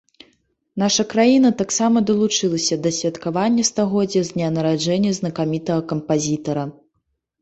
Наша краіна таксама далучылася да святкавання стагоддзя з дня нараджэння знакамітага кампазітара.